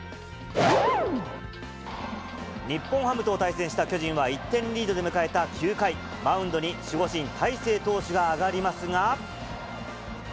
日本ハムと対戦した巨人は、１点リードで迎えた９回、マウンドに守護神、大勢投手が上がりますが。